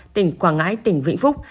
tỉnh quảng ngãi tỉnh vĩnh phúc